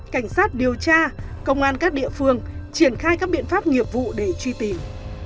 cảnh sát điều tra công an các địa phương triển khai các biện pháp nghiệp vụ để truy tìm